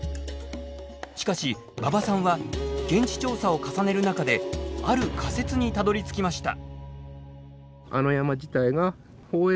しかし馬場さんは現地調査を重ねる中である仮説にたどりつきました。